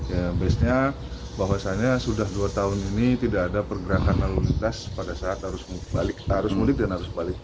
ya base nya bahwasannya sudah dua tahun ini tidak ada pergerakan lalu lintas pada saat arus mudik dan arus balik